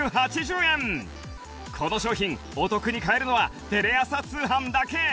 この商品お得に買えるのはテレ朝通販だけ